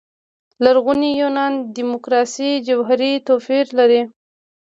لرغوني یونان دیموکراسي جوهري توپير لري.